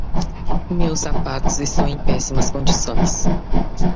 Meus sapatos estão em péssimas condições.